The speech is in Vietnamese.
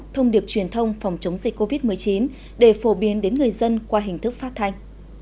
thông điệp truyền thông phòng chống dịch covid một mươi chín để phổ biến đến người dân qua hình thức phát thanh